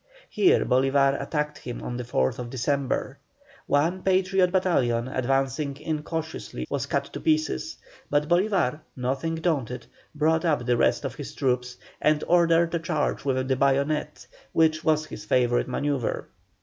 Here Bolívar attacked him on the 4th December. One Patriot battalion advancing incautiously was cut to pieces, but Bolívar, nothing daunted, brought up the rest of his troops, and ordered a charge with the bayonet, which was his favourite manœuvre.